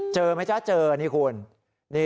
เจอมั้ยจ๊ะเจอนี่คุณ